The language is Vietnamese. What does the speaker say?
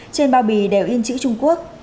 trên bao bì đều in chữ trung quốc